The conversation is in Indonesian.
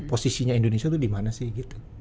posisinya indonesia dimana sih gitu